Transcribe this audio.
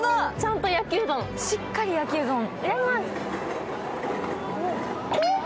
しっかり焼きうどん。